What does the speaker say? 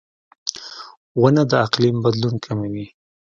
• ونه د اقلیم بدلون کموي.